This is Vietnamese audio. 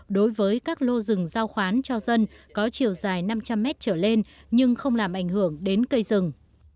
đối với các lô rừng giao khoán cho dân có chiều dài năm trăm linh mét trở lên nhưng không làm ảnh hưởng đến cây rừng